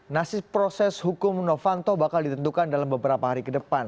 nasib proses hukum novanto bakal ditentukan dalam beberapa hari ke depan